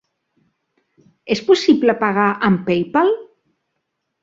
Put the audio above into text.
És possible pagar amb Paypal?